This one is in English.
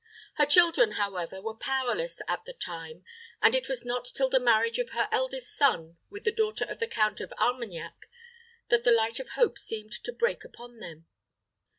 Her children, however, were powerless at the time and it was not till the marriage of her eldest son with the daughter of the Count of Armagnac that the light of hope seemed to break upon them.